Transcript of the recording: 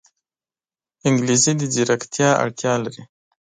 انګلیسي د ځیرکتیا اړتیا لري